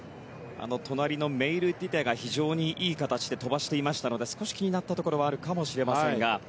隣のメイルティテが非常にいい形で飛ばしていましたので少し気になったところはあるかもしれませんが。